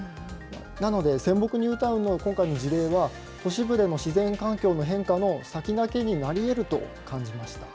なので泉北ニュータウンの今回の事例は、都市部でも自然環境の変化の先駆けになりえると感じました。